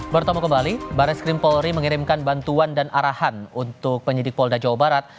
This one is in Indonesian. bertemu kembali baris krim polri mengirimkan bantuan dan arahan untuk penyidik polda jawa barat